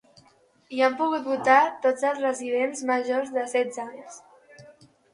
Hi han pogut votar tots els residents majors de setze anys.